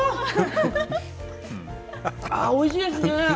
おいしいですね。